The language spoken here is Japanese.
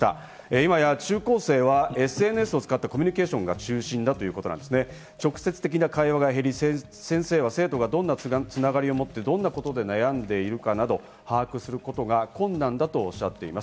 今や中高生はＳＮＳを使ったコミュニケーションが中心で、直接的な会話が減り、先生は生徒がどんな繋がりを持って、どんなことで悩んでいるかなどを把握することが困難だとおっしゃっています。